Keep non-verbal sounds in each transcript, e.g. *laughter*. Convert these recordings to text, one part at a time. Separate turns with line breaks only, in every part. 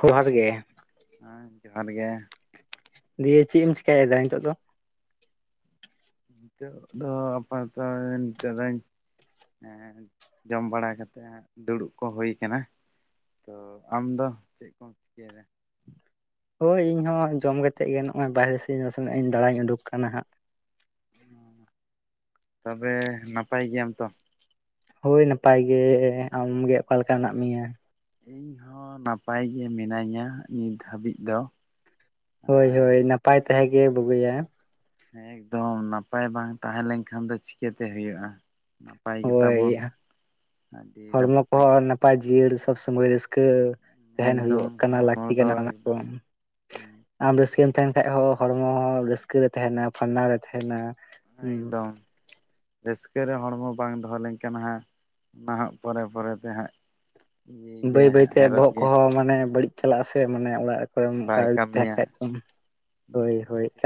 ᱡᱚᱦᱟᱨ ᱜᱮ ᱾
ᱦᱮᱸ ᱡᱚᱦᱟᱨ ᱜᱮ ᱾
ᱫᱤᱭᱮ ᱪᱮᱜ ᱮᱢ ᱪᱤᱠᱟᱭᱮᱫᱟ ᱱᱤᱛᱚᱜ ᱫᱚ?
ᱱᱤᱛᱚᱜ ᱫᱚ ᱟᱯᱟᱛᱚᱛᱚ *unintelligible* ᱱᱤᱛᱚᱜ ᱫᱚᱧ ᱮᱸ ᱡᱚᱢ ᱵᱟᱲᱟ ᱠᱟᱛᱮᱫ ᱦᱟᱸᱜ ᱫᱩᱲᱩᱵ ᱠᱚ ᱦᱩᱭ ᱠᱟᱱᱟ ᱾ ᱛᱚ ᱟᱢᱫᱚ ᱪᱮᱜ ᱠᱚᱢ ᱪᱤᱠᱟᱹᱭᱮᱫᱟ?
ᱦᱳᱭ ᱤᱧ ᱦᱚᱸ ᱡᱚᱢ ᱠᱟᱛᱮᱫ ᱜᱮ ᱱᱚᱜᱼᱚᱭ ᱵᱟᱦᱨᱮ ᱥᱮᱫ ᱤᱧ ᱱᱟᱥᱮᱱᱟᱜ ᱫᱟᱬᱟᱧ ᱩᱰᱩᱠ ᱠᱟᱱᱟ ᱦᱟᱸᱜ ᱾
ᱛᱚᱵᱮ ᱱᱟᱯᱟᱭ ᱜᱮᱭᱟᱢ ᱛᱚ?
ᱦᱳᱭ ᱱᱟᱯᱟᱭ ᱜᱮ, ᱟᱢᱜᱮ ᱚᱠᱟ ᱞᱮᱠᱟ ᱢᱮᱱᱟᱜ ᱢᱮᱭᱟ?
ᱤᱧ ᱦᱚᱸ ᱱᱟᱯᱟᱭ ᱜᱮ ᱢᱤᱱᱟᱹᱧᱟ ᱱᱤᱛ ᱦᱟᱹᱵᱤᱡ ᱫᱚ ᱾
ᱦᱳᱭ ᱦᱳᱭ ᱱᱟᱯᱟᱭ ᱛᱟᱦᱮᱸ ᱜᱮ ᱵᱩᱜᱤᱭᱟ ᱾
ᱮᱠᱫᱚᱢ ᱱᱟᱯᱟᱭ ᱵᱟᱝ ᱛᱟᱦᱮᱸ ᱞᱮᱱᱠᱷᱟᱱ ᱫᱚ ᱪᱤᱠᱟᱹᱛᱮ ᱦᱩᱭᱩᱜᱼᱟ ᱾ ᱱᱟᱯᱟᱭ
ᱦᱳᱭ
ᱜᱮᱛᱟᱵᱚᱱ ᱟᱹᱰᱤ
ᱦᱚᱲᱢᱚ
ᱞᱟᱠᱛᱤ ᱾
ᱠᱚᱦᱚᱸ ᱱᱟᱯᱟᱭ ᱡᱤᱭᱟᱹᱲ ᱥᱚᱵ ᱥᱚᱢᱚᱭ ᱨᱟᱹᱥᱠᱟᱹ ᱛᱟᱦᱮᱱ
ᱮᱠᱫᱚᱢ
ᱦᱩᱭᱩᱜ ᱠᱟᱱᱟ
ᱦᱚᱲᱢᱚ
ᱞᱟᱹᱠᱛᱤ
ᱫᱚ
ᱠᱟᱱᱟ ᱚᱱᱟ ᱠᱚ
ᱮᱠᱫᱚᱢ
᱾ ᱟᱢ ᱨᱟᱹᱥᱠᱟᱹᱢ ᱛᱟᱦᱮᱱ ᱠᱷᱟᱱ ᱦᱚᱸ ᱦᱚᱲᱢᱚ ᱦᱚᱸ ᱨᱟᱹᱥᱠᱟᱹ ᱨᱮ ᱛᱟᱦᱮᱸᱱᱟ ᱯᱷᱟᱨᱱᱟᱣ ᱨᱮ ᱛᱟᱦᱮᱱᱟ ᱾
ᱮᱠᱫᱚᱢ ᱾ ᱨᱟᱹᱥᱠᱟᱹ ᱨᱮ ᱦᱚᱲᱢᱚ ᱵᱟᱝ ᱫᱚᱦᱚ ᱞᱮᱱ ᱠᱷᱟᱱ ᱦᱟᱸᱜ ᱱᱟᱸᱦᱟᱜ ᱯᱚᱨᱮ ᱯᱚᱨᱮ ᱛᱮ ᱦᱟᱸᱜ ᱤᱭᱟᱹᱭ
ᱵᱟᱹᱭ
ᱜᱮᱭᱟ ᱦᱟᱸᱜ
ᱵᱟᱹᱭᱛᱮ
ᱦᱮᱨᱚᱜ
ᱵᱚᱦᱚᱜ
ᱜᱮᱭᱟ
ᱠᱚᱦᱚᱸ ᱢᱟᱱᱮ ᱵᱟᱹᱲᱤᱡ ᱪᱟᱞᱟᱜ ᱟᱥᱮ ᱢᱟᱱᱮ ᱚᱲᱟᱜ ᱨᱮ ᱠᱚᱨᱮ ᱚᱱᱠᱟ
ᱵᱟᱭ
ᱛᱟᱦᱮᱸᱱ
ᱠᱟᱹᱢᱤᱭᱟ
ᱠᱷᱟᱡ ᱫᱚ ᱾
ᱵᱮᱥᱤ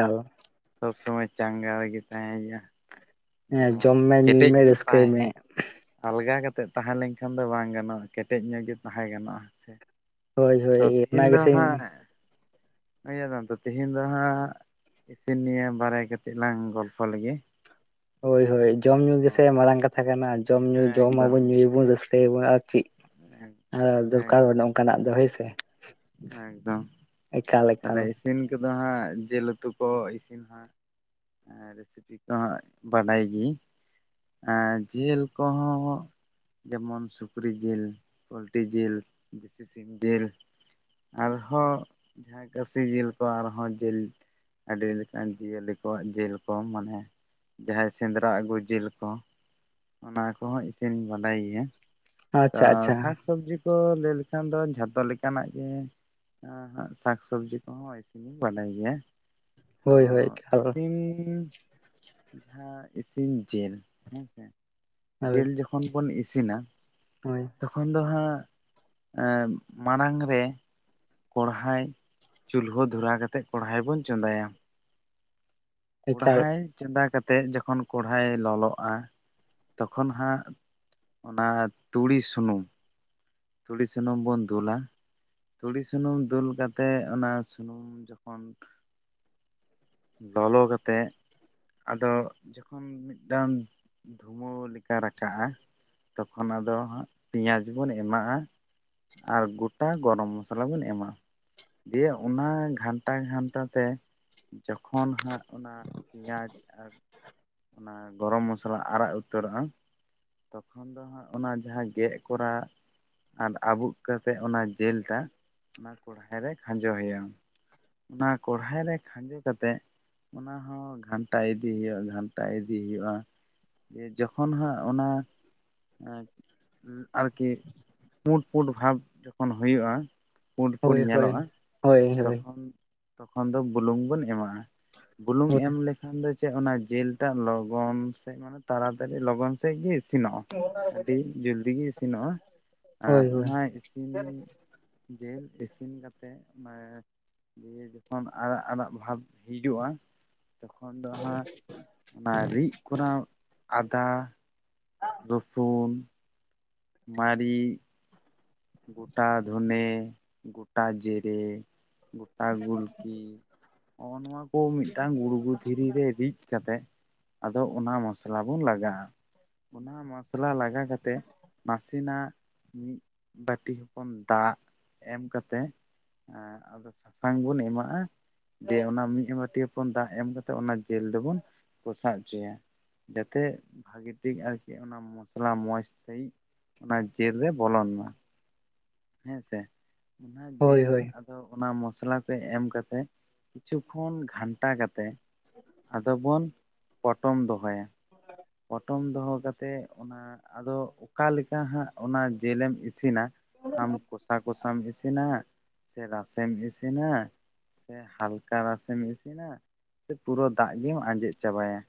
ᱥᱚᱵ ᱥᱚᱢᱚᱭ ᱪᱟᱸᱜᱟ ᱨᱮᱜᱮ ᱛᱟᱦᱮᱸᱼᱟ ᱾
ᱦᱮᱸ
ᱡᱮᱢᱚᱱ
ᱡᱚᱢ ᱢᱮ ᱧᱩᱭ
ᱠᱮᱴᱮᱡ
ᱢᱮ
ᱧᱚᱜ
ᱨᱟᱹᱥᱠᱟᱹᱭ
ᱛᱟᱦᱮᱸ
ᱢᱮ
ᱦᱩᱭᱩᱜᱼᱟ ᱾ ᱟᱞᱜᱟ ᱠᱟᱛᱮᱜ ᱛᱟᱦᱮᱸ ᱞᱮᱱᱠᱷᱟᱱ ᱫᱚ ᱵᱟᱝ ᱜᱟᱱᱚᱜᱼᱟ ᱠᱮᱴᱮᱡ ᱧᱚᱜ ᱜᱮ ᱛᱟᱦᱮᱸ ᱜᱟᱱᱚᱜᱼᱟ, ᱥᱮ
ᱦᱳᱭ
ᱛᱚ
ᱦᱳᱭ ᱚᱱᱟ
ᱛᱮᱦᱤᱧ ᱫᱚ
ᱜᱮᱥᱮᱧ
ᱦᱮᱸᱜ ᱤᱭᱟᱛᱟᱢ ᱫᱚ ᱛᱤᱦᱤᱧ ᱫᱚ ᱦᱟᱸᱜ ᱤᱥᱤᱱ ᱱᱤᱭᱟᱹ ᱵᱟᱨᱟᱭ ᱠᱟᱛᱮᱫ ᱞᱟᱝ ᱜᱚᱞᱯᱚ ᱞᱮᱜᱮ
ᱦᱳᱭ ᱦᱳᱭ ᱡᱚᱢ ᱧᱩ ᱜᱮᱥᱮ ᱢᱟᱨᱟᱝ ᱠᱟᱛᱷᱟ ᱠᱟᱱᱟ ᱡᱚᱢ ᱧᱩ
ᱮᱠᱫᱚᱢ
ᱡᱚᱢᱟᱵᱚᱱ ᱧᱩᱭᱟᱵᱚᱱ ᱨᱟᱹᱥᱠᱟᱹ ᱭᱟᱵᱚᱱ ᱟᱨ ᱪᱮᱫ ᱟᱨ
ᱮᱠᱫᱚᱢ
ᱫᱚᱨᱠᱟᱨ
ᱮᱠᱫᱚᱢ
ᱵᱟᱹᱱᱩᱜᱼᱟ ᱚᱱᱠᱟᱱᱟᱜ ᱫᱚ ᱦᱳᱭ ᱥᱮ ᱾
ᱮᱠᱫᱚᱢ
ᱮᱠᱟᱞ
ᱛᱟᱦᱞᱮ ᱤᱥᱤᱱ ᱠᱚᱫᱚ ᱦᱟᱸᱜ ᱡᱤᱞ ᱩᱛᱩ ᱠᱚ ᱤᱥᱤᱱ ᱦᱟᱸᱜ ᱨᱮᱥᱤᱯᱤ ᱠᱚᱦᱚᱸ ᱵᱟᱰᱟᱭ ᱜᱮᱭᱤᱱ ᱟᱨ ᱡᱤᱞ ᱠᱚᱦᱚᱸ ᱡᱮᱢᱚᱱ ᱥᱩᱠᱨᱤ ᱡᱤᱞ, ᱯᱳᱞᱴᱤ ᱡᱤᱞ, ᱫᱮᱥᱤ ᱥᱤᱢ ᱡᱤᱞ ᱟᱨᱦᱚᱸ ᱡᱟᱦᱟᱸ ᱠᱷᱟᱥᱤ ᱡᱤᱞ ᱠᱚ ᱟᱨᱦᱚᱸ ᱡᱤᱞ ᱟᱹᱰᱤ ᱞᱮᱠᱟᱱ ᱡᱤᱭᱟᱹᱞᱤ ᱠᱚᱣᱟᱜ ᱡᱤᱞ ᱠᱚ ᱢᱟᱱᱮ ᱡᱟᱦᱟᱸᱭ ᱥᱮᱸᱫᱽᱨᱟ ᱟᱹᱜᱩ ᱡᱤᱞ ᱠᱚ ᱚᱱᱟ ᱠᱚᱦᱚᱸ ᱤᱥᱤᱱᱤᱧ ᱵᱟᱰᱟᱭ ᱜᱮᱭᱟ ᱾ ᱛᱚ
ᱟᱪᱪᱷᱟ ᱟᱪᱪᱷᱟ
ᱥᱟᱠᱥᱚᱵᱽᱡᱤ ᱠᱚ ᱞᱟᱹᱭ ᱞᱮᱠᱷᱟᱱ ᱫᱚ ᱡᱷᱚᱛᱚ ᱞᱮᱠᱟᱱᱟᱜ ᱡᱮ ᱥᱟᱠ ᱥᱚᱵᱽᱡᱤ ᱠᱚᱦᱚᱸ ᱤᱥᱤᱱᱤᱧ ᱵᱟᱰᱟᱭ ᱜᱮᱭᱟ ᱾ ᱛᱚ
ᱦᱳᱭ ᱦᱳᱭ ᱮᱠᱟᱞ
ᱤᱥᱤᱱ ᱡᱟᱦᱟᱸ ᱤᱥᱤᱱ ᱡᱤᱞ ᱦᱮᱸᱥᱮ
ᱦᱳᱭ
ᱡᱤᱞ ᱡᱚᱠᱷᱚᱱ ᱵᱚᱱ ᱤᱥᱤᱱᱟ
ᱦᱳᱭ
ᱛᱚᱠᱷᱚᱱ ᱫᱚ ᱦᱟᱸᱜ ᱢᱟᱲᱟᱝ ᱨᱮ ᱠᱚᱲᱦᱟᱭ ᱪᱩᱞᱦᱟᱹ ᱫᱷᱚᱨᱟᱣ ᱠᱟᱛᱮ ᱠᱚᱲᱦᱟᱭ ᱵᱚᱱ ᱪᱚᱸᱫᱟᱭᱟ
ᱮᱠᱟᱞ
ᱠᱚᱲᱦᱟᱭ ᱪᱚᱸᱫᱟ ᱠᱟᱛᱮᱫ ᱡᱚᱠᱷᱚᱱ ᱠᱚᱲᱦᱟᱭ ᱞᱚᱞᱚᱜᱼᱟ ᱛᱚᱠᱷᱚᱱ ᱦᱟᱸᱜ ᱚᱱᱟ ᱛᱩᱲᱤ ᱥᱩᱱᱩᱢ ᱛᱩᱲᱤ ᱥᱩᱱᱩᱢ ᱵᱚᱱ ᱫᱩᱞᱟ ᱛᱩᱲᱤ ᱥᱩᱱᱩᱢ ᱫᱩᱞ ᱠᱟᱛᱮᱜ ᱚᱱᱟ ᱥᱩᱱᱩᱢ ᱡᱚᱠᱷᱚᱱ ᱞᱚᱞᱚ ᱠᱟᱛᱮ ᱟᱫᱚ ᱡᱚᱠᱷᱚᱱ ᱢᱤᱫᱴᱟᱝ ᱫᱷᱩᱸᱣᱟᱹ ᱞᱮᱠᱟ ᱨᱟᱠᱟᱜᱼᱟ ᱛᱚᱠᱷᱚᱱ ᱟᱫᱚ ᱦᱟᱸᱜ ᱯᱮᱸᱭᱟᱡᱽ ᱵᱚᱱ ᱮᱢᱟᱜᱼᱟ᱾ ᱟᱨ ᱜᱚᱴᱟ ᱜᱚᱨᱚᱢ ᱢᱚᱥᱞᱟ ᱵᱚᱱ ᱮᱢᱟ ᱫᱤᱭᱮ ᱚᱱᱟ ᱜᱷᱟᱱᱴᱟ ᱜᱷᱟᱱᱴᱟ ᱛᱮ ᱡᱚᱠᱷᱚᱱ ᱦᱟᱸᱜ ᱚᱱᱟ ᱯᱮᱸᱭᱟᱡᱽ ᱟᱨ ᱚᱱᱟ ᱜᱚᱨᱚᱢ ᱢᱚᱥᱞᱟ ᱟᱨᱟᱜ ᱩᱛᱟᱹᱨᱚᱜᱼᱟ ᱛᱚᱠᱷᱚᱱ ᱫᱚ ᱦᱟᱸᱜ ᱚᱱᱟ ᱡᱟᱦᱟᱸ ᱜᱮᱫ ᱠᱚᱨᱟ ᱟᱨ ᱟᱵᱩᱜ ᱠᱟᱛᱮᱫ ᱚᱱᱟ ᱡᱮᱞ ᱴᱟᱜ ᱚᱱᱟ ᱠᱚᱲᱦᱟᱭ ᱨᱮ ᱠᱷᱟᱸᱡᱚᱭᱟᱢ ᱚᱱᱟ ᱠᱚᱲᱦᱟᱭ ᱨᱮ ᱠᱷᱟᱸᱡᱚ ᱠᱟᱛᱮᱜ ᱚᱱᱟ ᱦᱚᱸ ᱜᱷᱟᱱᱴᱟ ᱤᱫᱤ ᱦᱩᱭᱩᱜᱼᱟ ᱜᱷᱟᱱᱴᱟ ᱤᱫᱤ ᱦᱩᱭᱩᱜᱼᱟ ᱡᱮ ᱡᱚᱠᱷᱚᱱ ᱦᱟᱸᱜ ᱚᱱᱟ *unintelligible* ᱟᱨᱠᱤ ᱯᱩᱸᱰ ᱯᱩᱸᱰ ᱵᱷᱟᱵᱽ ᱡᱚᱠᱷᱚᱱ ᱦᱩᱭᱩᱜᱼᱟ ᱯᱩᱸᱰ ᱯᱩᱸᱰ
ᱦᱳᱭ ᱦᱳᱭ
ᱧᱮᱞᱚᱜᱼᱟ
ᱦᱳᱭ ᱦᱳᱭ
ᱛᱚᱠᱷᱚᱱ ᱛᱚᱠᱷᱚᱱ ᱫᱚ ᱵᱩᱞᱩᱝ ᱵᱚᱱ ᱮᱢᱟᱜᱼᱟ ᱵᱩᱞᱩᱝ
ᱦᱳᱭ
ᱮᱢ ᱞᱮᱠᱷᱟᱱ ᱫᱚ ᱪᱮᱫ ᱚᱱᱟ ᱡᱤᱞ ᱴᱟᱜ ᱞᱚᱜᱚᱱ ᱥᱮ ᱢᱟᱱᱮ ᱛᱟᱲᱟᱛᱟᱲᱤ ᱞᱚᱜᱚᱱ ᱥᱮ ᱥᱮᱫ ᱜᱮ ᱤᱥᱤᱱᱚᱜᱼᱟ ᱟᱹᱰᱤ ᱡᱚᱞᱫᱤ ᱜᱮ ᱤᱥᱤᱱᱚᱜᱼᱟ ᱟᱨ
ᱦᱳᱭ ᱦᱳᱭ ᱦᱳᱭ
ᱚᱱᱟ ᱤᱥᱤᱱ ᱡᱮᱞ ᱤᱥᱤᱱ ᱠᱟᱛᱮᱫ ᱢᱮ ᱫᱤᱭᱮ ᱡᱚᱠᱷᱚᱱ ᱟᱨᱟᱜ ᱟᱨᱟᱜ ᱵᱷᱟᱵ ᱦᱤᱡᱩᱜᱼᱟ ᱛᱚᱠᱷᱚᱱ ᱫᱚ ᱦᱟᱸᱜ ᱚᱱᱟ ᱨᱤᱫ ᱠᱚᱨᱟᱣ ᱟᱫᱟ ᱨᱚᱥᱩᱱ ᱢᱟᱨᱤᱡ ᱜᱳᱴᱟ ᱫᱷᱚᱸᱱᱮ ᱜᱳᱴᱟ ᱡᱮᱨᱮ ᱜᱚᱴᱟ ᱜᱩᱞᱠᱤ ᱱᱚᱜᱼᱚ ᱱᱚᱣᱟ ᱠᱚ ᱢᱤᱫᱴᱟᱝ ᱜᱩᱲᱜᱩᱡ ᱫᱷᱤᱨᱤ ᱨᱮ ᱨᱤᱫ ᱠᱟᱛᱮᱜ ᱟᱫᱚ ᱚᱱᱟ ᱢᱚᱥᱞᱟ ᱵᱚᱱ ᱞᱟᱜᱟᱜᱼᱟ ᱚᱱᱟ ᱢᱚᱥᱞᱟ ᱞᱟᱜᱟ ᱠᱟᱛᱮᱜ ᱱᱟᱥᱮᱱᱟᱜ ᱢᱤᱫ ᱵᱟᱹᱴᱤ ᱦᱚᱯᱚᱱ ᱫᱟᱜ ᱮᱢ ᱠᱟᱛᱮ *unintelligible* ᱟᱫᱚ ᱥᱟᱥᱟᱝ ᱵᱩᱱ ᱮᱢᱟᱜᱼᱟ ᱫᱤᱭᱮ ᱚᱱᱟ ᱢᱤᱫ ᱵᱟᱹᱴᱤ ᱦᱚᱯᱚᱱ ᱫᱟᱜ ᱮᱢ ᱠᱟᱛᱮᱫ ᱚᱱᱟ ᱡᱮᱞ ᱫᱚᱵᱚᱱ ᱠᱚᱥᱟᱣ ᱦᱚᱪᱚᱭᱟ ᱡᱟᱛᱮ ᱵᱷᱟᱜᱤ ᱴᱷᱤᱠ ᱟᱨᱠᱤ ᱚᱱᱟᱢᱼᱼ ᱢᱚᱥᱞᱟ ᱢᱚᱸᱡᱽ ᱥᱟᱺᱦᱤᱡ ᱚᱱᱟ ᱡᱮᱞ ᱨᱮ ᱵᱚᱞᱚᱱ ᱢᱟ ᱦᱮᱸ ᱥᱮ ᱚᱱᱟ
ᱦᱳᱭ
ᱡᱮᱞ ᱟᱫᱚᱼᱼ ᱫᱚ ᱚᱱᱟ ᱢᱚᱥᱞᱟ ᱛᱮ ᱮᱢ ᱠᱟᱛᱮ ᱠᱤᱪᱷᱩ ᱠᱷᱚᱱ ᱜᱷᱟᱱᱴᱟ ᱠᱟᱛᱮ ᱟᱫᱚ ᱵᱚᱱ ᱯᱚᱴᱚᱢ ᱫᱚᱦᱚᱭᱟ ᱯᱚᱴᱚᱢ ᱫᱚᱦᱚ ᱠᱟᱛᱮᱜ ᱚᱱᱟ ᱟᱫᱚ ᱚᱠᱟ ᱞᱮᱠᱟ ᱦᱟᱸᱜ ᱚᱱᱟ ᱡᱮᱞᱮᱢᱼᱼ ᱤᱥᱤᱱᱟ ᱟᱢ ᱠᱚᱥᱟ ᱠᱚᱥᱟᱢ ᱤᱥᱤᱱᱟ ᱥᱮ ᱨᱟᱥᱮᱢ ᱤᱥᱤᱱᱟ ᱥᱮ ᱦᱟᱞᱠᱟ ᱨᱟᱥᱮᱢ ᱤᱥᱤᱱᱟ ᱥᱮ ᱯᱩᱨᱟᱹ ᱫᱟᱜ ᱜᱮᱢ ᱟᱸᱡᱮᱫ ᱪᱟᱵᱟᱭᱟ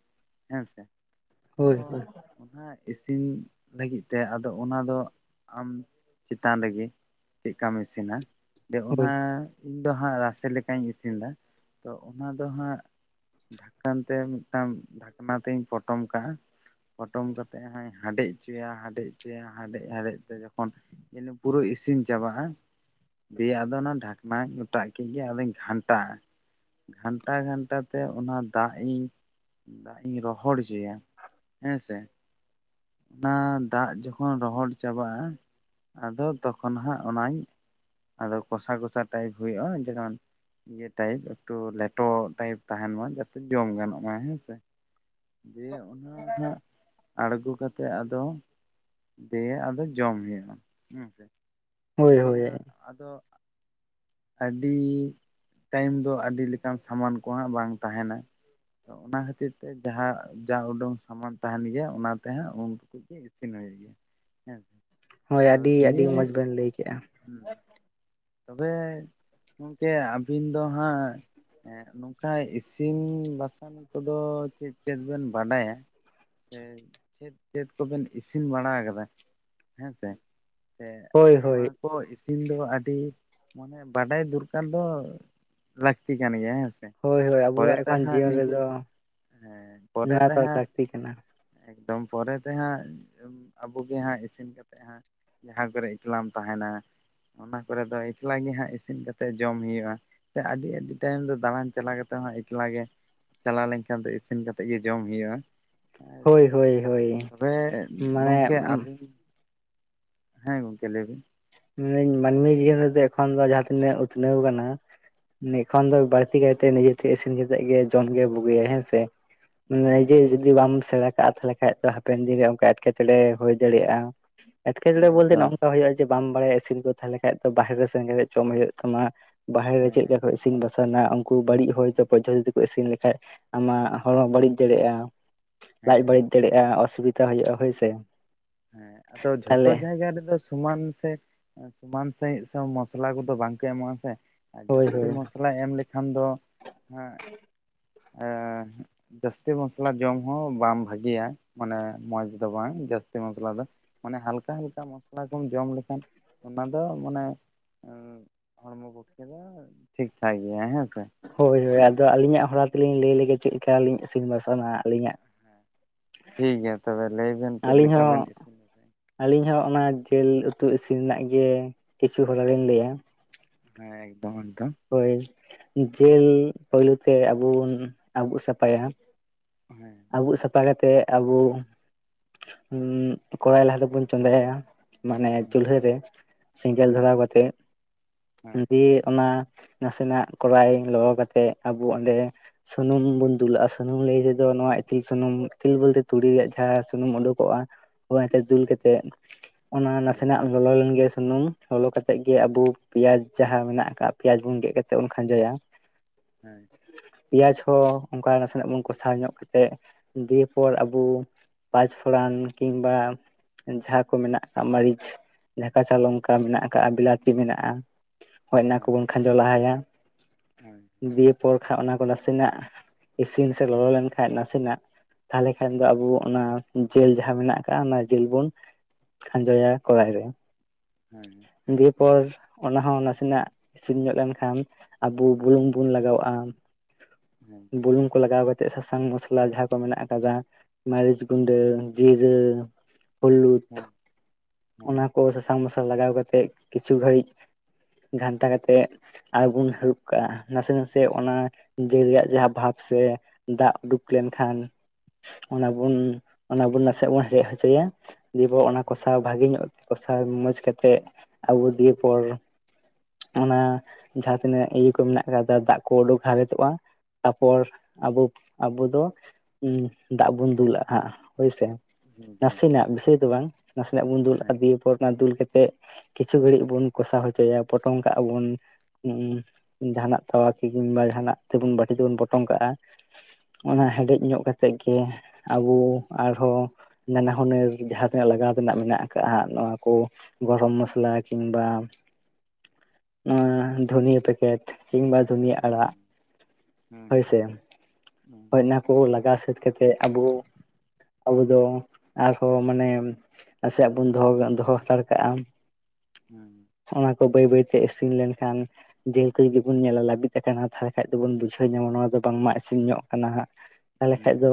ᱦᱮᱸ ᱥᱮ ᱛᱚᱼᱼ
ᱦᱳᱭ
ᱚᱱᱟ ᱤᱥᱤᱱ ᱞᱟᱹᱜᱤᱫ ᱛᱮ ᱟᱫᱚ ᱚᱱᱟ ᱫᱚ ᱟᱢ ᱪᱮᱛᱟᱱ ᱨᱮᱜᱮᱼᱼ ᱪᱮᱜᱠᱟᱢ ᱤᱥᱤᱱᱟ ᱫᱮ ᱚᱱᱟᱼᱼ ᱤᱧ ᱫᱚ ᱦᱟᱸᱜ ᱨᱟᱥᱮ ᱞᱮᱠᱟᱧ ᱤᱥᱤᱱ ᱫᱟ ᱛᱚ ᱚᱱᱟ ᱫᱚ ᱦᱟᱸᱜ ᱰᱷᱟᱠᱟᱱ ᱛᱮ ᱢᱤᱫᱴᱟᱝ ᱰᱷᱟᱠᱱᱟ ᱛᱤᱧ ᱯᱚᱴᱚᱢ ᱠᱟᱜᱼᱟ ᱯᱚᱴᱚᱢ ᱠᱟᱛᱮᱫ ᱦᱟᱭ ᱦᱟᱰᱮᱡ ᱦᱚᱪᱚᱭᱟ ᱦᱟᱰᱮᱡ ᱪᱚᱭᱟ ᱦᱟᱰᱮᱡ ᱦᱟᱰᱮᱡ ᱛᱮ ᱡᱚᱠᱷᱚᱱ ᱤᱱᱟᱹ ᱯᱩᱨᱟᱹ ᱤᱥᱤᱱ ᱪᱟᱵᱟᱜᱼᱟ ᱫᱤᱭᱮ ᱟᱫᱚ ᱚᱱᱟ ᱰᱷᱟᱠᱱᱟᱧ ᱚᱴᱟᱜ ᱠᱤᱫ ᱜᱮ ᱟᱫᱚᱧ ᱜᱷᱟᱱᱴᱟᱣᱟᱜᱼᱟ ᱜᱷᱟᱱᱴᱟ ᱜᱷᱟᱱᱴᱟ ᱛᱮ ᱚᱱᱟ ᱫᱟᱜ ᱤᱧ ᱫᱟᱜ ᱤᱧ ᱨᱚᱦᱚᱲ ᱦᱚᱪᱚᱭᱟ ᱦᱮᱸ ᱥᱮ ᱚᱱᱟ ᱫᱟᱜ ᱡᱚᱠᱷᱚᱱ ᱨᱚᱦᱚᱲ ᱪᱟᱵᱟᱜᱼᱟ ᱟᱫᱚ ᱛᱚᱠᱷᱚᱱ ᱦᱟᱸᱜ ᱚᱱᱟᱧ ᱟᱫᱚ ᱠᱚᱥᱟ ᱠᱚᱥᱟ ᱴᱟᱭᱤᱯ ᱦᱳᱭᱳᱜᱼᱟ ᱡᱮᱢᱚᱱᱼᱼ ᱤᱭᱟᱹ ᱴᱟᱭᱤᱯ ᱮᱠᱴᱩ ᱞᱮᱸᱴᱚ ᱴᱟᱭᱤᱯ ᱛᱟᱦᱮᱱ ᱢᱟ ᱡᱟᱛᱮ ᱡᱚᱢ ᱜᱟᱱᱚᱜ ᱢᱟ ᱦᱮᱸ ᱥᱮᱼᱼ ᱫᱤᱭᱮ ᱚᱱᱟ ᱦᱟᱸᱜ ᱟᱬᱜᱚ ᱠᱟᱛᱮᱫ ᱟᱫᱚᱼᱼ ᱫᱤᱭᱮ ᱟᱫᱚ ᱡᱚᱢ ᱦᱩᱭᱩᱜᱼᱟ ᱦᱮᱸ ᱥᱮ
ᱦᱳᱭ
ᱫᱤᱭᱮ
ᱦᱳᱭ
ᱦᱟᱸᱜ, ᱟᱫᱚ ᱟᱹᱰᱤ ᱴᱟᱭᱤᱢ ᱫᱚ ᱟᱹᱰᱤ ᱞᱮᱠᱟᱱ ᱥᱟᱢᱟᱱ ᱠᱚᱦᱟᱸᱜ ᱵᱟᱝ ᱛᱟᱦᱮᱱᱟ᱾ ᱛᱚ ᱚᱱᱟ ᱠᱷᱟᱹᱛᱤᱨ ᱛᱮ ᱡᱟᱦᱟᱸ ᱡᱟ ᱩᱰᱩᱜ ᱥᱟᱢᱟᱱ ᱠᱚ ᱛᱟᱦᱮᱱ ᱜᱮᱭᱟ᱾ ᱚᱱᱟ ᱛᱮ ᱦᱟᱸᱜ ᱩᱱᱠᱩ ᱤᱛᱷᱱᱟᱹᱭ ᱜᱮᱭᱟ ᱦᱮᱸ ᱥᱮ᱾
ᱦᱳᱭ,
ᱛᱚ
ᱟᱹᱰᱤ ᱟᱹᱰᱤ
ᱫᱤᱭᱮ
ᱢᱚᱸᱡᱽ ᱵᱮᱱ ᱞᱟᱹᱭ ᱠᱮᱜᱼᱟ᱾
ᱦᱩᱸ᱾ ᱛᱚᱵᱮ ᱜᱚᱢᱠᱮ, ᱟᱹᱵᱤᱱ ᱫᱚ ᱦᱟᱸᱜ ᱦᱮᱸ, ᱱᱚᱝᱠᱟ ᱤᱥᱤᱱ ᱵᱟᱥᱟᱝ ᱠᱚᱫᱚ ᱪᱮᱫ ᱪᱮᱫ ᱵᱮᱱ ᱵᱟᱰᱟᱭᱟ? ᱥᱮ ᱪᱮᱫ ᱪᱮᱫ ᱠᱚᱵᱮᱱ ᱤᱥᱤᱱ ᱵᱟᱲᱟ ᱠᱟᱫᱟ? ᱦᱮᱸ ᱥᱮ᱾ ᱥᱮ
ᱦᱳᱭ ᱦᱳᱭ
ᱱᱚᱣᱟ ᱠᱚ ᱤᱥᱤᱱ ᱫᱚ ᱟᱹᱰᱤ ᱢᱟᱱᱮ ᱵᱟᱰᱟᱭ ᱫᱚᱨᱠᱟᱨ ᱫᱚ ᱞᱟᱹᱠᱛᱤ ᱠᱟᱱ ᱜᱮᱭᱟ, ᱦᱮᱸ ᱥᱮ᱾
ᱦᱳᱭ ᱦᱳᱭ
ᱯᱚᱨᱮ
ᱟᱵᱚᱣᱟᱜ
ᱛᱮ
ᱮᱠᱷᱚᱱ
ᱦᱟᱸᱜ
ᱡᱤᱭᱚᱱ
ᱱᱤᱡᱮ
ᱨᱮᱫᱚ
ᱦᱮᱸ ᱯᱚᱨᱮ
ᱱᱚᱣᱟ
ᱛᱮ
ᱫᱚ
ᱦᱟᱸᱜ᱾
ᱞᱟᱹᱠᱛᱤ ᱠᱟᱱᱟ
ᱮᱠᱫᱚᱢ ᱯᱚᱨᱮ ᱛᱮ ᱦᱟᱸᱜ ᱟᱵᱚ ᱜᱮ ᱦᱟᱸᱜ ᱤᱥᱤᱱ ᱠᱟᱛᱮ ᱦᱟᱸᱜ ᱡᱟᱦᱟᱸ ᱠᱚᱨᱮ ᱮᱠᱞᱟᱢ ᱛᱟᱦᱮᱱᱟ᱾ ᱚᱱᱟ ᱠᱚᱨᱮ ᱫᱚ ᱮᱠᱞᱟ ᱜᱮ ᱦᱟᱸᱜ ᱤᱥᱤᱱ ᱠᱟᱛᱮᱫ ᱡᱚᱢ ᱦᱩᱭᱩᱜᱼᱟ᱾ ᱥᱮ ᱟᱹᱰᱤ ᱟᱹᱰᱤ ᱴᱟᱭᱤᱢ ᱫᱚ ᱫᱟᱬᱟᱱ ᱪᱟᱞᱟᱣ ᱠᱟᱛᱮ ᱦᱚᱸ ᱮᱠᱞᱟ ᱜᱮ ᱪᱟᱞᱟᱣ ᱞᱮᱱᱠᱷᱟᱱ ᱫᱚ ᱤᱥᱤᱱ ᱠᱟᱛᱮᱫ ᱜᱮ ᱡᱚᱢ ᱦᱩᱭᱩᱜᱼᱟ᱾
ᱦᱳᱭ ᱦᱳᱭ ᱦᱳᱭ
ᱛᱚᱵᱮ
ᱢᱟᱱᱮ
ᱜᱚᱢᱠᱮ, ᱟᱹᱵᱤᱱ ᱦᱮᱸ ᱜᱚᱢᱠᱮ ᱞᱮᱭ ᱵᱤᱱ?
ᱢᱮᱱᱫᱟᱹᱧ ᱢᱟᱹᱱᱢᱤ ᱡᱤᱭᱚᱱ ᱨᱮᱫᱚ ᱮᱠᱷᱚᱱ ᱫᱚ ᱡᱟᱦᱟᱸᱛᱤ ᱱᱟᱹᱜ ᱩᱛᱱᱟᱹᱣ ᱠᱟᱱᱟ᱾ ᱱᱤᱠᱷᱚᱱ ᱫᱚ ᱵᱟᱹᱲᱛᱤ ᱠᱟᱭᱛᱮ ᱱᱤᱡᱮᱛᱮ ᱤᱥᱤᱱ ᱠᱟᱛᱮᱜ ᱜᱮ ᱡᱚᱢ ᱜᱮ ᱵᱩᱜᱤᱭᱟ ᱦᱮᱸ ᱥᱮ᱾ ᱱᱤᱡᱮ
ᱦᱮᱸ
ᱡᱩᱫᱤ ᱵᱟᱢ ᱥᱮᱬᱟ ᱠᱟᱜᱼᱟ ᱛᱟᱦᱞᱮ ᱠᱷᱟᱡ ᱫᱚ ᱦᱟᱯᱮᱱ ᱫᱤᱱᱨᱮ ᱚᱱᱠᱟ ᱮᱸᱴᱠᱮᱴᱚᱬᱮ ᱦᱳᱭ ᱫᱟᱲᱮᱭᱟᱜᱼᱟ
ᱦᱮᱸ
ᱮᱸᱴᱠᱮᱴᱚᱬᱮ ᱵᱚᱞᱛᱮ
ᱮᱠᱫᱚᱢ
ᱱᱚᱝᱠᱟ ᱦᱳᱭᱳᱜᱼᱟ ᱵᱟᱢ ᱵᱟᱲᱟᱭᱟ ᱤᱥᱤᱱ ᱠᱚ ᱛᱟᱦᱞᱮ ᱠᱷᱟᱡᱽ ᱫᱚ ᱵᱟᱦᱮᱨ ᱨᱮ ᱥᱮᱱ ᱠᱟᱛᱮ ᱡᱚᱢ ᱦᱳᱭᱳᱜ ᱛᱟᱢᱟ᱾ ᱵᱟᱦᱨᱮ
ᱦᱮᱸ
ᱪᱮᱫ
ᱦᱮᱸ
ᱞᱮᱠᱟ ᱠᱚ ᱤᱥᱤᱱ ᱤᱥᱤᱱ ᱵᱟᱥᱟᱝᱼᱟ, ᱩᱱᱠᱩ ᱵᱟᱲᱤᱡ ᱦᱚᱭᱛᱚ ᱯᱚᱫᱫᱷᱚᱛᱤ ᱛᱮᱠᱚ ᱤᱥᱤᱱ ᱞᱮᱠᱷᱟᱡ ᱟᱢᱟᱜ ᱦᱚᱲᱢᱚ ᱵᱟᱹᱲᱤᱡ ᱫᱟᱲᱮᱭᱟᱜᱼᱟ᱾
ᱦᱮᱸ
ᱞᱟᱡ
ᱦᱮᱸ
ᱵᱟᱹᱲᱤᱡ ᱫᱟᱲᱮᱭᱟᱜᱼᱟ᱾ ᱚᱥᱩᱵᱤᱫᱷᱟ ᱦᱳᱭᱳᱜᱼᱟ, ᱦᱳᱭ ᱥᱮ᱾
ᱦᱮᱸ, ᱟᱫᱚ ᱡᱷᱚᱛᱚ ᱡᱟᱭᱜᱟ ᱨᱮᱫᱚ ᱥᱚᱢᱟᱱ ᱥᱮ ᱥᱚᱢᱟᱱ ᱥᱟᱹᱦᱤᱡ ᱢᱚᱥᱞᱟ ᱠᱚᱫᱚ ᱵᱟᱝ ᱠᱚ ᱮᱢᱚᱜᱼᱟ, ᱥᱮ᱾ ᱟᱨ
ᱦᱳᱭ
ᱡᱟᱹᱥᱛᱤ
ᱦᱳᱭ
ᱢᱚᱥᱞᱟᱭ ᱮᱢ ᱞᱮᱠᱷᱟᱱ ᱫᱚ ᱦᱟᱸᱜ ᱡᱟᱹᱥᱛᱤ ᱢᱚᱥᱞᱟ ᱡᱚᱢ ᱦᱚᱸ ᱵᱟᱝ ᱵᱷᱟᱹᱜᱮᱭᱟ᱾ ᱢᱟᱱᱮ ᱢᱚᱸᱡᱽ ᱫᱚ ᱵᱟᱝ ᱢᱚᱥᱞᱟ ᱫᱚ ᱢᱟᱱᱮ ᱦᱟᱞᱠᱟ ᱦᱟᱞᱠᱟ ᱢᱚᱥᱞᱟ ᱠᱚᱢ ᱡᱚᱢ ᱞᱮᱠᱷᱟᱱ ᱚᱱᱟ ᱫᱚ ᱢᱟᱱᱮ ᱦᱩ, ᱦᱚᱲᱢᱚ ᱯᱚᱠᱠᱷᱮ ᱫᱚ ᱴᱷᱤᱠ ᱴᱷᱟᱠ ᱜᱮᱭᱟ ᱦᱮᱸᱥᱮ᱾
ᱦᱳᱭ ᱦᱳᱭ, ᱟᱫᱚ ᱟᱹᱞᱤ ᱧᱟᱜ ᱦᱚᱨᱟ ᱛᱮᱞᱤᱧ ᱞᱟᱹᱭ ᱞᱮ ᱜᱮ ᱪᱮᱫ ᱞᱮᱠᱟ ᱞᱤᱧ ᱤᱥᱤᱱ ᱵᱟᱥᱟᱝᱼᱟ? ᱟᱹᱞᱤᱧ ᱟᱜ
ᱴᱷᱤᱠ ᱜᱮᱭᱟ᱾ ᱛᱚᱵᱮ ᱞᱟᱹᱭ ᱵᱮᱱ ᱪᱮᱫ
ᱟᱹᱞᱤᱧ
ᱞᱮᱠᱟ ᱵᱤᱱ
ᱦᱚᱸ
ᱤᱥᱤᱱ
ᱟᱹᱞᱤᱧ ᱦᱚᱸ ᱚᱱᱟ ᱡᱮᱞ ᱩᱛᱩ ᱤᱥᱤᱱ ᱨᱮᱱᱟᱜ ᱜᱮ ᱠᱤᱪᱷᱩ ᱦᱚᱨᱟ ᱞᱤᱧ ᱞᱟᱹᱭᱼᱟ᱾
ᱦᱮᱸ ᱮᱠᱫᱚᱢ, ᱮᱠᱫᱚᱢ᱾
ᱦᱳᱭ ᱡᱮᱞ ᱯᱳᱭᱞᱳ ᱛᱮ ᱟᱵᱩᱱ ᱟᱵᱩᱜ ᱥᱟᱯᱷᱟᱭᱼᱟ᱾
ᱦᱮᱸ᱾
ᱟᱵᱩᱜ ᱥᱟᱯᱷᱟ ᱠᱟᱛᱮᱜ ᱟᱵᱚ ᱠᱚᱸᱲᱟᱭ ᱞᱟᱦᱟ ᱛᱮᱵᱚᱱ ᱪᱚᱸᱫᱟᱭᱼᱟ᱾ ᱢᱟᱱᱮ ᱪᱩᱞᱦᱟᱹᱨ ᱨᱮ ᱥᱮᱸᱜᱮᱞ
ᱦᱮᱸ
ᱫᱷᱚᱨᱟᱣ ᱠᱟᱛᱮᱫ
ᱦᱮᱸ
ᱫᱤᱭᱮ ᱚᱱᱟ ᱱᱟᱥᱮ ᱱᱟᱸᱜ ᱠᱚᱸᱲᱟᱭ ᱞᱚᱞᱚ ᱠᱟᱛᱮᱜ ᱟᱵᱚ ᱚᱸᱰᱮ ᱥᱩᱱᱩᱢ ᱵᱚᱱ ᱫᱩᱞᱟᱜᱼᱟ, ᱥᱩᱱᱩᱢ ᱞᱟᱹᱭ ᱱᱚᱣᱟ ᱤᱛᱤᱞ ᱥᱩᱱᱩᱢ ᱤᱛᱤᱞ ᱵᱚᱞ ᱛᱮ ᱛᱩᱲᱤ ᱨᱮᱭᱟᱜ ᱡᱟᱦᱟ ᱥᱩᱱᱩᱢ ᱩᱰᱩᱠ ᱚᱜᱼᱟ᱾ ᱦᱳᱭ ᱫᱩᱞ
ᱦᱮᱸ
ᱠᱟᱛᱮᱜ ᱚᱱᱟ
ᱦᱮᱸ
ᱱᱟᱥᱮ ᱱᱟᱜ ᱞᱚᱞᱚ ᱞᱮᱱ ᱜᱮ ᱥᱩᱱᱩᱢ ᱞᱚᱞᱚ ᱠᱟᱛᱮᱜ ᱟᱵᱩ ᱯᱮᱸᱭᱟᱡ ᱡᱟᱦᱟ ᱢᱮᱱᱟᱜ ᱟᱠᱟᱜᱼᱟ᱾ ᱯᱮᱸᱭᱟᱡ ᱵᱚᱱ ᱜᱮᱫ ᱠᱟᱛᱮᱫ ᱵᱚᱱ ᱠᱷᱟᱸᱡᱚᱭᱟ
ᱦᱮᱸ᱾
ᱯᱮᱸᱭᱟᱡᱽ ᱦᱚᱸ ᱚᱱᱠᱟ ᱱᱟᱥᱮ ‌ᱱᱟᱸᱜ ᱵᱚᱱ ᱠᱚᱥᱟᱣ ᱧᱚᱜ ᱠᱟᱛᱮᱫ ᱫᱤᱭᱮ ᱯᱚᱨ ᱟᱵᱚ ᱯᱟᱸᱪ ᱯᱷᱚᱲᱟᱱ ᱠᱤᱝ ᱵᱟ ᱡᱟᱦᱟ ᱠᱚ ᱢᱮᱱᱟᱜ ᱟᱠᱟᱜᱼᱟ ᱢᱟᱹᱨᱤᱪ ᱡᱟᱦᱟ ᱠᱟᱪᱟ ᱞᱚᱝᱠᱟ ᱢᱮᱱᱟᱜ ᱟᱠᱟᱫ ᱵᱤᱞᱟᱹᱛᱤ ᱢᱮᱱᱟᱜᱼᱟ᱾ ᱦᱳᱭ ᱚᱱᱟ ᱠᱚ ᱵᱚᱱ ᱠᱷᱟᱸᱡᱚ ᱞᱟᱦᱟᱭᱼᱟ᱾
ᱦᱩᱸ
ᱫᱤᱭ ᱮ ᱯᱚᱨ *unintelligible* ᱚᱱᱟ ᱠᱚ ᱱᱟᱥᱮ ᱱᱟᱸᱜ ᱤᱥᱤᱱ ᱥᱮ ᱞᱚᱞᱚ ᱞᱮᱱ ᱠᱷᱟᱱ *unintelligible* ᱱᱟᱥᱮ ᱱᱟᱸᱜ ᱛᱟᱦᱞᱮ ᱠᱷᱟᱱ ᱫᱚ ᱟᱵᱚ ᱚᱱᱟ ᱡᱮᱞ ᱡᱟᱸᱦᱟ ᱢᱮᱱᱟᱜ ᱟᱠᱟᱸᱜᱼᱟ ᱚᱱᱟ ᱡᱮᱞ ᱵᱚᱱ ᱠᱷᱟᱸᱡᱚᱭᱟ ᱠᱚᱲᱟᱭ ᱨᱮ᱾
ᱦᱮᱸ
ᱫᱤᱭᱮ ᱯᱚᱨ ᱚᱱᱟ ᱦᱚ ᱱᱟᱥᱮ ᱱᱟᱸᱜ ᱤᱥᱤᱱ ᱧᱚᱜ ᱞᱮᱱ ᱠᱷᱟᱱ ᱟᱵᱚ ᱵᱩᱞᱩᱝ ᱵᱚᱱ ᱞᱟᱜᱟᱣ ᱟᱜᱼᱟ᱾
ᱦᱮᱸ
ᱵᱩᱞᱩᱝ ᱠᱚ ᱞᱟᱜᱟᱣ ᱠᱟ ᱠᱟᱛᱮᱫ *unintelligible* ᱥᱟᱥᱟᱝ ᱢᱚᱥᱞᱟ ᱡᱟᱦᱟᱸ ᱠᱚ ᱢᱮᱱᱟᱜ ᱟᱠᱟᱫᱟ ᱢᱟᱹᱨᱤᱪ ᱜᱩᱰᱟᱹ ᱡᱤᱨᱟᱹ ᱦᱩ ᱞᱩᱛᱷ ᱚᱱᱟ ᱠᱚ *unintelligible* ᱥᱟᱥᱟᱝ ᱢᱚᱥᱞᱟ ᱞᱟᱜᱟᱣ ᱠᱟᱛᱮᱫ ᱠᱤᱪᱷᱩ ᱜᱷᱟᱹᱲᱤᱡ ᱜᱷᱟᱱᱴᱟ ᱠᱟᱛᱮᱫ ᱟᱨ ᱵᱚᱱ ᱦᱟᱹᱨᱩᱵ ᱠᱟᱜ-ᱟ ᱱᱟᱥᱮ ᱱᱟᱥᱮ ᱚᱱᱟ ᱡᱮᱞ ᱨᱮᱭᱟᱜ ᱡᱟᱦᱟᱸ ᱵᱷᱟᱵᱽ ᱥᱮ ᱫᱟᱜ ᱩᱰᱩᱠ ᱞᱮᱱ ᱠᱷᱟᱱ ᱚᱱᱟ ᱵᱚᱱ ᱚᱱᱟ ᱵᱚᱱ ᱱᱟᱥᱮ ᱭᱟᱜ ᱵᱚᱱ ᱦᱮᱰᱮᱡ ᱦᱚᱪᱚᱭᱟ᱾ ᱫᱤᱭᱮ ᱯᱚᱨ ᱚᱱᱟ ᱠᱚᱥᱟᱣ ᱵᱷᱟᱜᱮ ᱧᱚᱜ ᱠᱚᱥᱟᱣ ᱢᱚᱸᱡᱽ ᱠᱟᱛᱮᱜ ᱟᱵᱚ ᱫᱤᱭᱮ ᱯᱚᱨ ᱚᱱᱟ ᱡᱟᱦᱟᱸ ᱛᱤᱱᱟᱹᱜ ᱤᱭᱟᱹ ᱠᱚ ᱢᱮᱱᱟᱜ ᱟᱠᱟᱫᱟ ᱫᱟᱜ ᱠᱚ ᱩᱰᱩᱠ ᱦᱟᱣᱮᱛᱚᱜᱼᱟ᱾ ᱛᱟᱯᱚᱨ ᱟᱵᱚ ᱟᱵᱚ ᱫᱚ ᱫᱟᱜ ᱵᱚᱱ ᱫᱩᱞ ᱞᱟᱜᱼᱟ ᱦᱳᱭ ᱥᱮ᱾ ᱱᱟᱥᱮ ᱱᱟᱜ ᱵᱮᱥᱤ ᱫᱚ ᱵᱟᱝ ᱱᱟᱥᱮ ᱱᱟᱜ ᱵᱚᱱ ᱫᱩᱞ ᱞᱟᱜᱼᱟ ᱫᱤᱭᱮ ᱯᱚᱨ ᱚᱱᱟ ᱫᱩᱞ ᱠᱟᱛᱮᱫ ᱠᱤᱪᱷᱩ ᱜᱷᱟᱹᱲᱤᱡ ᱵᱚᱱ ᱠᱚᱥᱟᱣ ᱦᱚᱪᱚᱭᱟ ᱯᱚᱴᱚᱢ ᱠᱟᱜᱼᱟ ᱵᱚᱱ᱾ ᱮᱸ ᱡᱟᱦᱟᱸ ᱱᱟᱜ ᱛᱟᱣᱟ ᱠᱤᱝ ᱵᱟ ᱡᱟᱦᱟᱸᱱᱟᱜ ᱛᱮᱵᱚᱱ ᱵᱟᱴᱤ ᱛᱮᱵᱚᱱ ᱯᱚᱴᱚᱢ ᱠᱟᱜᱼᱟ᱾ ᱚᱱᱟ ᱦᱮᱸᱰᱮᱡ ᱧᱚᱜ ᱠᱟᱛᱮᱫ ᱜᱮ ᱟᱵᱚ ᱟᱨ ᱦᱚᱸ ᱱᱟᱱᱟ ᱦᱩᱱᱟᱹᱨ ᱡᱟᱦᱟ ᱛᱤᱱᱟᱹᱜ ᱞᱟᱜᱟᱣ ᱛᱮᱱᱟᱜ ᱢᱮᱱᱟᱜ ᱟᱠᱟᱜᱼᱟ ᱦᱟᱸᱜ ᱱᱚᱣᱟ ᱠᱚ ᱜᱚᱨᱚᱢ ᱢᱚᱥᱞᱟ ᱠᱤᱱ ᱵᱟ ᱱᱚᱣᱟ ᱫᱷᱩᱱᱤᱭᱟᱹ ᱯᱮᱠᱮᱴ ᱠᱤᱝ ᱵᱟ *unintelligible*
ᱦᱮᱸ ᱦᱮᱸ ᱦᱮᱸ
ᱦᱳᱭ ᱚᱱᱟ ᱠᱚ ᱞᱟᱜᱟᱣ ᱥᱟᱹᱛ ᱠᱟᱛᱮᱫ ᱟᱵᱚ ᱟᱵᱚ ᱫᱚ ᱟᱨ ᱦᱚᱸ ᱢᱟᱱᱮ ᱱᱟᱥᱮ ᱭᱟᱜ ᱵᱚᱱ ᱫᱚᱦᱚ ᱫᱚᱦᱚ ᱦᱟᱛᱟᱲ ᱠᱟᱜᱼᱟ᱾
ᱦᱩᱸ
ᱚᱱᱟ ᱠᱚ ᱵᱟᱹᱭ ᱵᱟᱹᱭᱛᱮ ᱤᱥᱤᱱ ᱞᱮᱱᱠᱷᱟᱱ ᱡᱤᱞ ᱠᱚ ᱡᱚᱫᱤ ᱵᱚᱱ ᱧᱮᱞ ᱟ ᱞᱟᱹᱵᱤᱫ ᱟᱠᱟᱱᱟ ᱛᱟᱦᱚᱞᱮ ᱠᱷᱟᱱ ᱫᱚᱵᱚᱱ ᱵᱩᱡᱷᱟᱹᱣ ᱧᱟᱢᱟ ᱱᱚᱣᱟ ᱫᱚ ᱵᱟᱝᱢᱟ ᱤᱥᱤᱱ ᱧᱚᱜ ᱠᱟᱱᱟ ᱦᱟᱸᱜ ᱛᱟᱦᱚᱞᱮ ᱠᱷᱟᱱ ᱫᱚ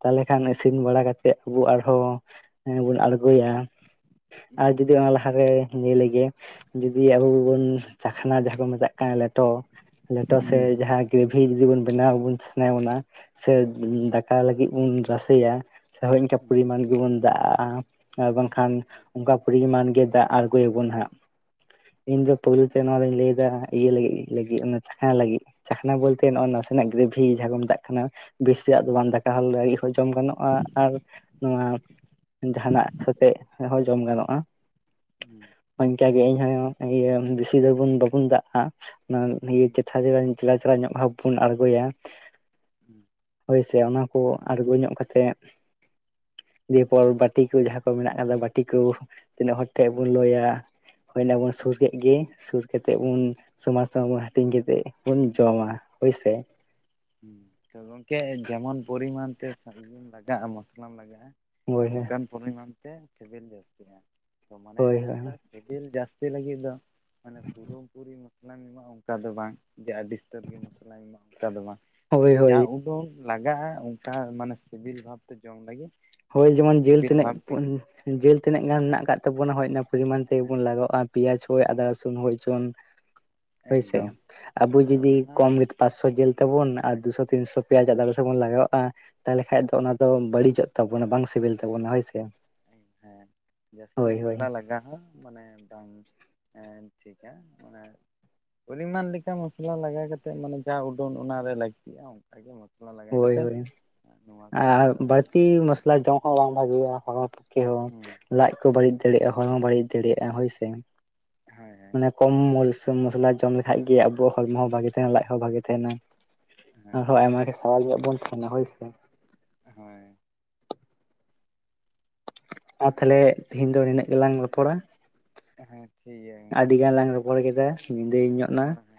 ᱛᱟᱦᱚᱞᱮ ᱠᱷᱟᱱ ᱤᱥᱤᱱ ᱵᱟᱲᱟ ᱠᱟᱛᱮᱜ ᱟᱵᱚ ᱟᱨᱦᱚᱸ ᱵᱚᱱ ᱟᱬᱜᱚᱭᱟ᱾ ᱟᱨ ᱡᱩᱫᱤ ᱚᱱᱟ ᱞᱟᱦᱟ ᱨᱮ ᱞᱟᱹᱭ ᱞᱮᱜᱮ ᱡᱩᱫᱤ ᱟᱵᱚᱵᱚᱱ ᱪᱟᱠᱷᱱᱟ ᱡᱟᱦᱟ ᱠᱚ ᱢᱮᱛᱟᱜ ᱠᱟᱱᱟ ᱞᱮᱴᱚ ᱞᱮᱴᱚ ᱥᱮ ᱡᱟᱦᱟ ᱜᱤᱨᱵᱷᱤ ᱡᱩᱫᱤ ᱵᱚᱱ ᱵᱮᱱᱟᱣ ᱵᱚᱱ ᱥᱟᱱᱟᱭᱮᱫ ᱵᱚᱱᱟ ᱥᱮ ᱫᱟᱠᱟ ᱞᱟᱹᱜᱤᱫ ᱵᱚᱱ ᱨᱟᱥᱮᱭᱟ ᱥᱮ ᱚᱝᱠᱟ ᱯᱚᱨᱤᱢᱟᱱ ᱜᱮᱵᱚᱱ ᱫᱟᱜ ᱟᱜᱼᱟ ᱟᱨ ᱵᱟᱝᱠᱷᱟᱱ ᱚᱱᱠᱟ ᱯᱚᱨᱤᱢᱟᱱ ᱜᱮ ᱫᱟᱜ ᱟᱬᱜᱚᱭᱟᱵᱚᱱ ᱦᱟᱸᱜ᱾ ᱤᱧ ᱫᱚ ᱯᱩᱭᱞᱩ ᱛᱮ ᱱᱚᱣᱟ ᱫᱚᱧ ᱞᱟᱹᱭ ᱫᱟ ᱤᱭᱟᱹ ᱞᱟᱹᱜᱤᱫ ᱞᱟᱹᱜᱤᱫ ᱪᱟᱠᱷᱱᱟ ᱞᱟᱹᱜᱤᱫ᱾ ᱪᱟᱠᱷᱱᱟ ᱵᱚᱞᱛᱮ ᱱᱚᱜᱼᱚᱭ ᱱᱟᱥᱮᱱᱟᱜ ᱜᱨᱮᱵᱷᱤ ᱡᱟᱦᱟᱠᱚ ᱢᱮᱛᱟᱜ ᱠᱟᱱᱟ᱾ ᱵᱮᱥᱤᱭᱟᱜ ᱫᱚ ᱵᱟᱝ ᱫᱟᱠᱟ ᱦᱚ ᱞᱟᱹᱜᱤᱫ ᱦᱚᱸ ᱡᱚᱢ ᱜᱟᱱᱚᱜᱼᱟ ᱟᱨ ᱱᱚᱶᱟ ᱡᱟᱦᱟᱸᱱᱟᱜ ᱥᱟᱛᱮᱜ ᱦᱚᱸ ᱡᱚᱢ ᱜᱟᱱᱚᱜᱼᱟ᱾
ᱦᱩᱸ
ᱦᱚᱧᱠᱟᱜᱮ ᱤᱧᱦᱚ ᱤᱭᱟᱹ ᱵᱤᱥᱤ ᱫᱚᱵᱚᱱ ᱵᱟᱵᱩᱱ ᱫᱟᱜ ᱟ ᱥᱟᱹᱨᱤᱧ ᱪᱮᱞᱟ ᱪᱟᱞᱟᱣ ᱧᱚᱜ ᱵᱷᱟᱵ ᱵᱚᱱ ᱟᱬᱜᱚᱭᱟ,
*inaudible*
ᱦᱳᱭ ᱥᱮ ᱚᱱᱟ ᱠᱚ ᱟᱬᱜᱩ ᱧᱚᱜ ᱠᱟᱛᱮᱜ ᱫᱤᱭᱟᱹᱯᱚᱨ ᱵᱟᱹᱴᱤ ᱠᱩ ᱡᱟᱦᱟᱸ ᱠᱚ ᱢᱮᱱᱟᱜ ᱠᱟᱫᱟ ᱵᱟᱴᱤ ᱠᱩ ᱛᱤᱱᱟᱹᱜ ᱦᱚᱲ ᱴᱷᱮᱡ ᱵᱚᱱ ᱞᱩᱭᱟ ᱦᱳᱭ ᱮᱱᱟᱵᱚᱱ ᱥᱩᱨ ᱠᱮᱜ ᱜᱮ ᱥᱩᱨ ᱠᱮᱛᱮᱜ ᱵᱚᱱ ᱥᱚᱢᱟᱱ ᱥᱚᱢᱟᱱ ᱵᱚᱱ ᱦᱟᱹᱴᱤᱧ ᱠᱮᱛᱮᱜ ᱵᱚᱱ ᱡᱚᱢᱟ ᱦᱳᱭᱥᱮ᱾
ᱛᱚ ᱜᱚᱝᱠᱮ ᱡᱮᱢᱚᱱ ᱯᱚᱨᱤᱢᱟᱱ ᱛᱮ ᱥᱟᱜᱩᱱ ᱞᱟᱜᱟᱜ-ᱟ ᱢᱚᱥᱞᱟᱢ ᱞᱟᱜᱟᱜ-ᱟ
ᱦᱳᱭ
ᱚᱝᱠᱟᱱ ᱯᱚᱨᱤᱢᱟᱱ ᱛᱮ ᱥᱮᱵᱮᱞ ᱡᱟᱹᱥᱛᱤᱜ-ᱟ ᱛᱚ ᱢᱟᱱᱮ
ᱦᱳᱭ
ᱚᱝᱠᱟ ᱥᱤᱵᱤᱞ ᱡᱟᱹᱥᱛᱤ ᱞᱟᱹᱜᱤᱫ ᱫᱚ ᱢᱟᱱᱮ ᱯᱩᱨᱟᱹᱢ ᱯᱩᱨᱤ ᱢᱚᱥᱞᱟᱢ ᱮᱢᱟᱜ ᱚᱝᱠᱟ ᱫᱚ ᱵᱟᱝ ᱡᱮ ᱟᱹᱰᱤ ᱩᱥᱛᱟᱹᱨ ᱜᱮ ᱢᱚᱥᱞᱟᱧ ᱮᱢᱟᱜ ᱚᱱᱠᱟ ᱫᱚ ᱵᱟᱝ᱾
ᱦᱳᱭ
ᱢᱟᱱᱮ ᱡᱟ
ᱦᱳᱭ
ᱩᱰᱩᱝ ᱞᱟᱜᱟᱜᱟ ᱟ ᱚᱱᱠᱟ ᱦᱚᱸ ᱢᱟᱱᱮ ᱥᱤᱵᱤᱞ ᱵᱷᱟᱵᱛᱮ ᱡᱚᱢ ᱞᱟᱹᱜᱤ
ᱦᱳᱭ ᱡᱮᱢᱚᱱ ᱡᱤᱞ ᱛᱤᱱᱟᱹᱜ ᱡᱮᱞ ᱛᱤᱱᱟᱹᱜ ᱜᱟᱱ ᱢᱮᱱᱟᱜ
ᱦᱮᱸ
ᱟᱠᱟᱫ ᱛᱟᱵᱚᱱᱟ ᱦᱳᱭ ᱚᱱᱟ ᱯᱚᱨᱤᱢᱟᱱ
ᱦᱮᱸ
ᱛᱮᱜᱮᱵᱚᱱ ᱞᱟᱹᱜᱟᱣ ᱟ ᱯᱮᱸᱭᱟᱡ ᱠᱚ ᱟᱫᱟ ᱨᱟᱹᱥᱩᱱ ᱦᱳᱭᱪᱚᱱ ᱦᱳᱭᱥᱮ
ᱮᱠᱫᱚᱢ
ᱟᱵᱚ
ᱛᱚ
ᱡᱩᱫᱤ
ᱚᱱᱟ
ᱠᱚᱢ ᱯᱟᱥᱥᱚ ᱡᱤᱞ ᱛᱟᱵᱚᱱ ᱟᱨ
ᱦᱮᱸ
ᱫᱩᱥᱚ ᱛᱤᱱᱥᱚ ᱯᱮᱭᱟᱡ ᱟᱫᱟ ᱨᱟᱹᱥᱩᱱ ᱵᱚᱱ ᱞᱟᱜᱟᱣᱟᱜ-ᱟ ᱛᱟᱦᱞᱮ ᱠᱷᱟᱡ ᱫᱚ
ᱦᱩᱸ
ᱚᱱᱟ ᱫᱚ ᱵᱟᱹᱲᱤᱡᱚᱜ ᱛᱟᱵᱚᱱᱟ ᱵᱟᱝ ᱥᱤᱵᱤᱞ
ᱦᱮᱸ
ᱛᱟᱵᱚᱱᱟ ᱦᱳᱭ ᱥᱮ᱾ᱦᱳᱭ ᱦᱳᱭ
ᱡᱟᱦᱟᱸ ᱢᱟᱱᱮ ᱵᱟᱝ ᱴᱷᱤᱠᱟ ᱢᱟᱱᱮ ᱯᱚᱨᱤᱢᱟᱱ ᱞᱮᱠᱟ ᱢᱚᱥᱞᱟ ᱞᱟᱜᱟᱣ ᱠᱟᱛᱮᱜ ᱢᱟᱱᱮ ᱡᱟ ᱩᱰᱟᱹᱱ ᱚᱱᱟᱨᱮ ᱞᱟᱹᱠᱛᱤᱜ-ᱟ ᱟᱜᱮ ᱢᱚᱥᱞᱟ ᱞᱟᱜᱟ
ᱦᱳᱭ
ᱠᱟᱛᱮᱜ
ᱦᱳᱭ
ᱱᱚᱣᱟ ᱠᱚ ᱟᱫᱚ ᱤᱥᱤᱱ ᱵᱟᱥᱤᱱ
ᱦᱳᱭ ᱟᱢ ᱵᱷᱟᱜᱮᱭᱟ ᱦᱚᱲᱚ ᱯᱚᱠᱠᱷᱮ ᱦᱚᱸ ᱞᱟᱡ ᱠᱚ ᱵᱟᱹᱲᱤᱡ
ᱦᱳᱭ
ᱫᱟᱲᱮᱜ-ᱟ ᱦᱚᱲᱢᱚ ᱵᱟᱹᱲᱤᱡ ᱫᱟᱲᱮᱭᱟᱜ-ᱟ ᱦᱳᱭᱥᱮ᱾
ᱦᱮᱸ
ᱢᱟᱱᱮ ᱠᱚᱢ ᱢ ᱤᱥᱤᱱ ᱢᱚᱥᱞᱟ ᱡᱚᱢ ᱞᱮᱠᱷᱟᱡ ᱜᱮ ᱟᱵᱚᱣᱟᱜ ᱦᱚᱲᱢᱚ ᱦᱚᱸ ᱵᱷᱟᱜᱮ ᱛᱟᱦᱮᱱᱟ ᱞᱟᱡ ᱦᱚᱸ ᱵᱷᱟᱜᱮ ᱛᱟᱦᱮᱱᱟ᱾ *unintelligible*
ᱦᱚᱸᱭ
ᱟᱨ ᱛᱷᱟᱞᱮ ᱛᱤᱦᱤᱧ ᱫᱚ ᱱᱤᱱᱟᱹᱜ ᱜᱮᱞᱟᱝ ᱨᱚᱯᱚᱲᱟ,
ᱦᱮᱸ ᱴᱷᱤᱠ ᱜᱮᱭᱟ ᱜᱚᱝᱠᱮ
ᱟᱹᱰᱤ ᱜᱟᱱ ᱞᱟᱝ ᱨᱚᱯᱚᱲ ᱠᱮᱫᱟ ᱧᱤᱫᱟᱹᱭ ᱧᱚᱜ ᱱᱟ᱾
ᱦᱳᱭ ᱦᱳᱭ